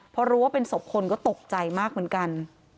พอรู้ว่าเป็นศพคนก็ตกใจมากเหมือนกัน